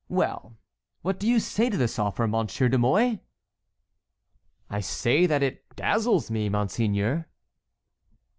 Well, what do you say to this offer, Monsieur de Mouy?" "I say that it dazzles me, monseigneur."